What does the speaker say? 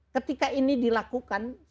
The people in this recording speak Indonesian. ketika ini dilakukan